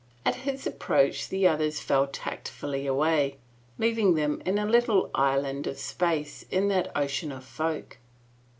At his approach the others fell tactfully away, leaving them in a little island of space in that ocean of folk.